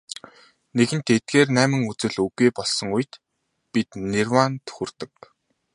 Нэгэнт эдгээр найман үзэл үгүй болсон үед бид нирваанд хүрдэг.